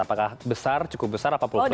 apakah besar cukup besar apa puluh persen